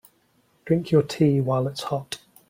Drink your tee while it's hot.